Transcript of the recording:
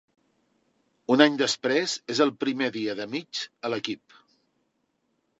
Un any després, és el primer dia de Mitch a l'equip.